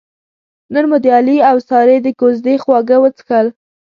نن مو د علي اوسارې د کوزدې خواږه وڅښل.